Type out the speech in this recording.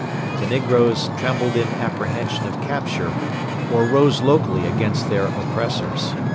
The negroes trembled in apprehension of capture, or rose locally against their oppressors.